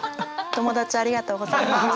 友達ありがとうございます。